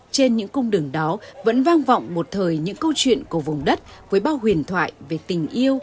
trên những cung đường đó vẫn vang vọng một thời những câu chuyện của vùng đất với bao huyền thoại về tình yêu